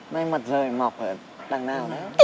mây mặt rời mọc ở đằng nào đấy